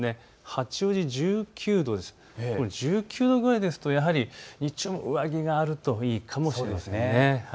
八王子１９度、１９度ぐらいだとやはり日中も上着があるといいかもしれません。